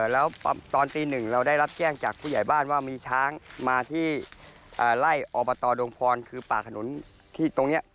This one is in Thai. แล้วตอนตีหนึ่งเราได้รับแจ้งจากผู้ใหญ่บ้านว่ามีช้างมาที่ไล่อบตดงพรคือป่าขนุนที่ตรงนี้